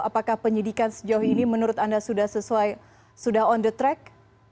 apakah penyidikan sejauh ini menurut anda sudah sesuai sudah on the track